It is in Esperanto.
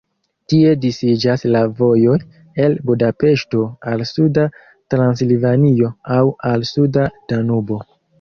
Tie disiĝas la vojoj el Budapeŝto al suda Transilvanio aŭ al suda Danubo.